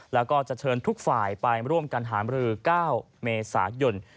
แล้วก็จะเชิญทุกฝ่ายไปร่วมกันหามรือ๙เมษายน